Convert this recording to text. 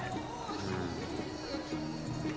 うん。